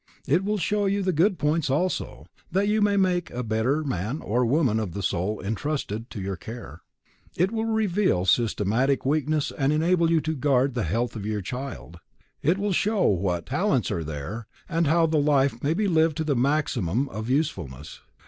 It will show you the good points also, that you may make a better man or woman of the soul entrusted to your care. It will reveal systemic weakness and enable you to guard the health of your child; it will show what talents are there, and how the life may be lived to a maximum of usefulness.